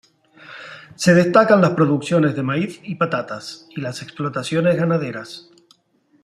Se destacan las producciones de maíz y patatas, y las explotaciones ganaderas.